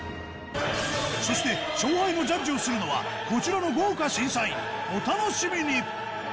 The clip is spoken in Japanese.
そして勝敗のジャッジをするのはこちらのお楽しみに！